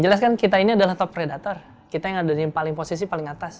jelas kan kita ini adalah top predator kita yang ada di posisi paling atas